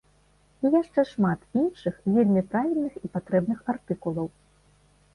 І яшчэ шмат іншых вельмі правільных і патрэбных артыкулаў.